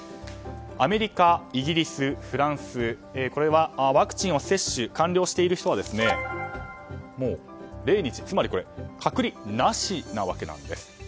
アメリカ、イギリス、フランスワクチンの接種が完了している人はもう０日つまり隔離なしなわけなんです。